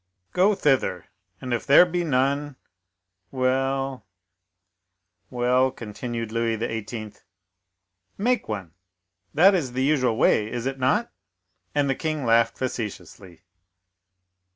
"Go thither, and if there be none—well, well," continued Louis XVIII., "make one; that is the usual way, is it not?" and the king laughed facetiously.